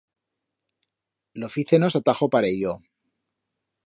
Lo fícenos a tajo parello.